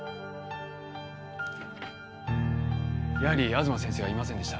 やはり東先生はいませんでした。